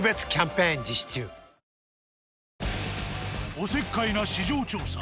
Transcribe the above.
おせっかいな市場調査。